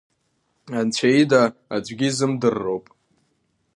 Анцәа ида аӡәгьы изымдырроуп.